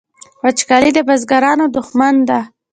وچکالي د بزګرانو دښمن ده